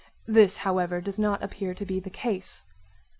This, however, does not appear to be the case.